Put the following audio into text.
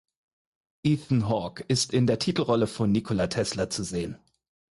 Ethan Hawke ist in der Titelrolle von Nikola Tesla zu sehen.